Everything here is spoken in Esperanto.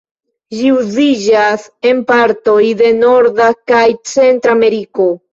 Ĝi uziĝas en partoj de Norda kaj Centra Ameriko.